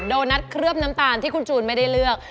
โดนัทเคลือบน้ำตาลที่คุณจูนไม่ได้เลือก